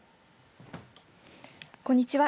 こんにちは。